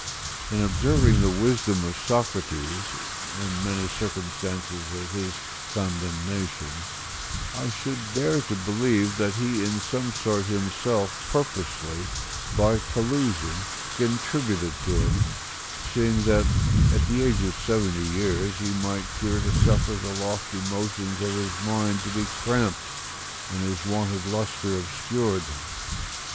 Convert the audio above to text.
In observing the wisdom of Socrates, and many circumstances of his condemnation, I should dare to believe that he in some sort himself purposely, by collusion, contributed to it, seeing that, at the age of seventy years, he might fear to suffer the lofty motions of his mind to be cramped and his wonted lustre obscured.